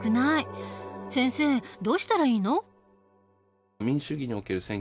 先生どうしたらいいの？